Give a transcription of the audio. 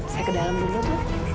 saya ke dalam dulu tuh